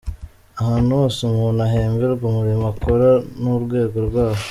Ahantu hose umuntu ahemberwa umurimo akora n’urwego rwawo.